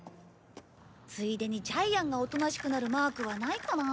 ついでにジャイアンがおとなしくなるマークはないかなあ。